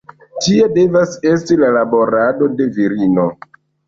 Tia devas esti la laborado de virino.